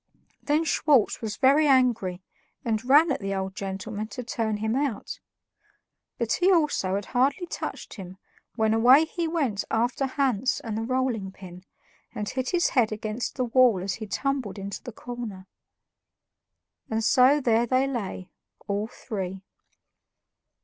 Then Schwartz was very angry and ran at the old gentleman to turn him out; but he also had hardly touched him when away he went after Hans and the rolling pin, and hit his head against the wall as he tumbled into the corner. And so there they lay, all three.